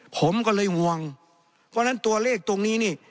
ผมก็เลยห่วงเพราะฉะนั้นตัวเลขตรงนี้นี่